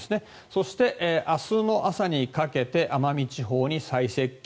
そして、明日の朝にかけて奄美地方に最接近。